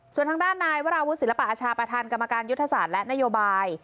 ส่วนทางด้านนายวราวุฒิศิลปะอาชาประธานกรรมการยุทธศาสตร์และนโยบาย